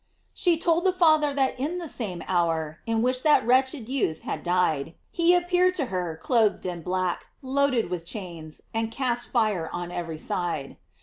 She told the Father that in the same hour in which that wretched youth had died, he appeared to her, clothed in black, load ed with chains, and cast fire on every side.